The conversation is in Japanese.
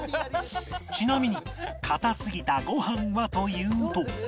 ちなみに硬すぎたご飯はというと